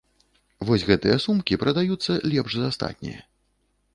Вось гэтыя сумкі прадаюцца лепш за астатняе.